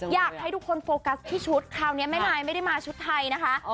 อยากให้ทุกคนโฟกัสที่ชุดคราวนี้แม่นายไม่ได้มาชุดไทยนะคะ